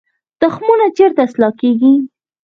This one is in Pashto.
تخمونه چیرته اصلاح کیږي؟